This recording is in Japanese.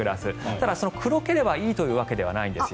ただ、黒ければいいというわけではないんです。